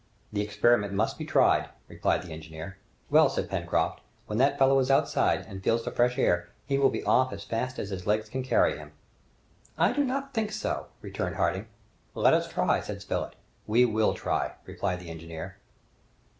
"The experiment must be tried," replied the engineer. "Well!" said Pencroft. "When that fellow is outside, and feels the fresh air, he will be off as fast as his legs can carry him!" "I do not think so," returned Harding. "Let us try," said Spilett. "We will try," replied the engineer.